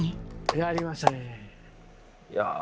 やりましたねえ。